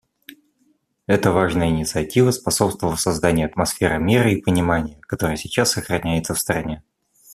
Эта важная инициатива способствовала созданию атмосферы мира и понимания, которая сейчас сохраняется в стране.